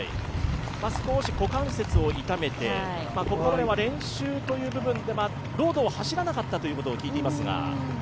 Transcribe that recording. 少し股関節を痛めて、練習という部分でロードを走らなかったということを聞いていますが。